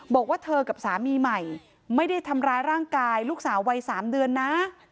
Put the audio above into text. บอกว่าเธอกับสามีใหม่ไม่ได้ทำร้ายร่างกายลูกสาววัย๓เดือนนะ